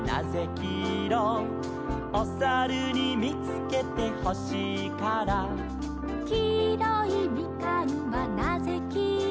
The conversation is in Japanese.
「おさるにみつけてほしいから」「きいろいミカンはなぜきいろ」